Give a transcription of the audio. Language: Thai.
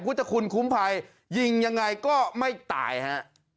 พุทธคุณคุ้มภัยยิงยังไงก็ไม่ตายฮะ